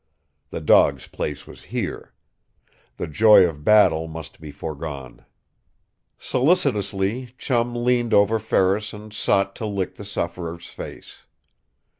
The dog's place was here. The joy of battle must be foregone. Solicitously Chum leaned over Ferris and sought to lick the sufferer's face.